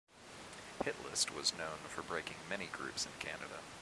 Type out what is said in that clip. "Hit List" was known for breaking many groups in Canada.